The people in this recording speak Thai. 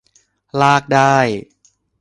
ลากได้